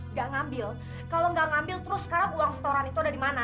nggak ngambil kalau nggak ngambil terus sekarang uang setoran itu ada di mana